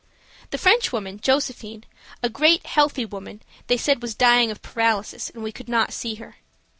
The Frenchwoman, Josephine, a great, healthy woman, they said was dying of paralysis, and we could not see her.